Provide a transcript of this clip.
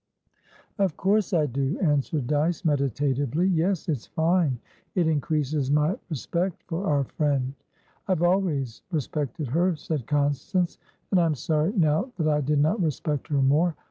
"Of course I do," answered Dyce, meditatively. "Yes, it's fine. It increases my respect for our friend." "I have always respected her," said Constance, "and I am sorry now that I did not respect her more.